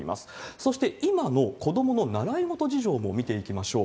そして今の子どもの習い事事情も見ていきましょう。